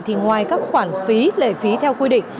thì ngoài các khoản phí lệ phí theo quy định